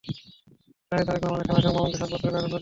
রায়ে তারেক রহমানকে খালাস এবং মামুনকে সাত বছরের কারাদণ্ড দেওয়া হয়।